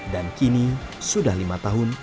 dan kini sudah lima tahun